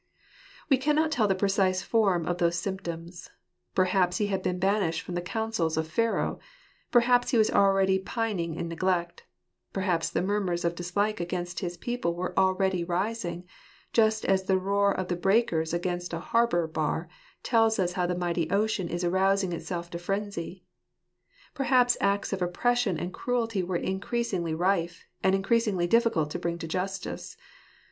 We cannot tell the precise form of those symptoms. Perhaps he had been banished from the councils of Pharaoh; perhaps he was already pining in neglect; perhaps the murmurs of dislike against his people were already rising, just as the roar of the breakers against a harbour bar tells how the mighty ocean is arousing itself to frenzy; perhaps acts of oppression and cruelty were increasingly rife, and increasingly difficult to bring to justice.